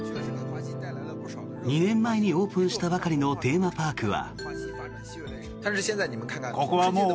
２年前にオープンしたばかりのテーマパークは。